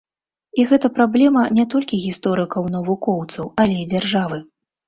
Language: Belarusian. І гэта праблема не толькі гісторыкаў-навукоўцаў, але і дзяржавы.